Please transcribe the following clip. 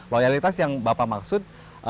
loyalitas yang bapak maksud